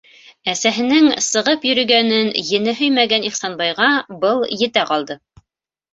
- Әсәһенең сығып йөрөгәнен ене һөймәгән Ихсанбайға был етә ҡалды.